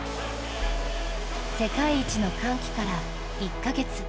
世界一の歓喜から１か月。